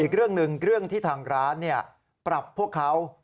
อีกเรื่องหนึ่งเรื่องที่ทางร้านปรับพวกเขา